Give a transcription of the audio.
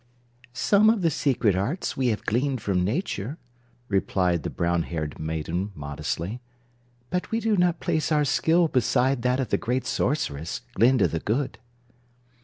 "Some of the secret arts we have gleaned from Nature," replied the brownhaired maiden modestly, "but we do not place our skill beside that of the Great Sorceress, Glinda the Good."